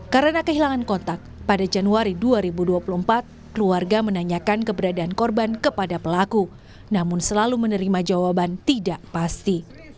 karena kehilangan kontak pada januari dua ribu dua puluh empat keluarga menanyakan keberadaan korban kepada pelaku namun selalu menerima jawaban tidak pasti